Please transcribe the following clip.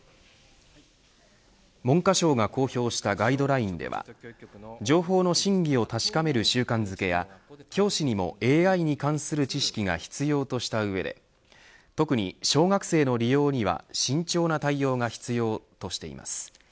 文科省が公表したガイドラインでは情報の真偽を確かめる習慣づけや教師にもＡＩに関する知識が必要とした上で特に小学生の利用には慎重な対応が必要としています。